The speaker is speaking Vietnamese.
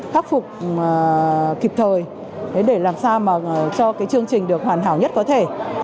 khắc phục kịp thời để làm sao mà cho cái chương trình được hoàn hảo nhất có thể